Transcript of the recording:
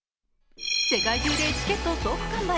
世界中でチケット総完売。